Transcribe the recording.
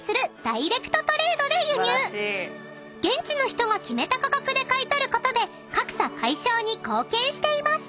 ［現地の人が決めた価格で買い取ることで格差解消に貢献しています］